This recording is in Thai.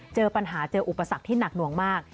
เจอปัญหาเจออุปสรรคที่หนักหน่วงมาก